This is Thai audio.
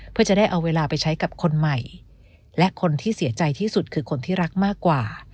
เพื่อจะได้เอาเวลาไปใช้กับคนใหม่และคนที่เสียใจที่สุดคือคนที่รักมากกว่า